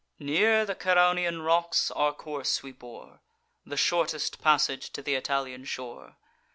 "Near the Ceraunian rocks our course we bore; The shortest passage to th' Italian shore.